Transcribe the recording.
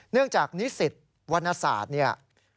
เนื่องจากนิสิตวรรณศาสตร์เนี่ย